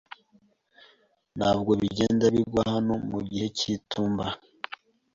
Ntabwo bigenda bigwa hano mu gihe cy'itumba.